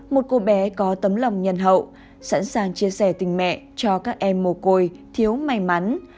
một cô bé có tấm lòng nhân hậu sẵn sàng chia sẻ tình mẹ cho các em mồ côi thiếu may mắn